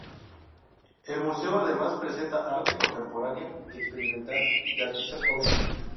El museo además presenta arte contemporáneo y experimental de artistas jóvenes.